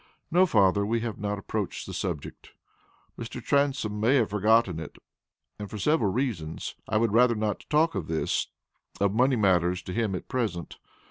"No, father, we have not approached the subject. Mr. Transome may have forgotten it, and, for several reasons, I would rather not talk of this of money matters to him at present.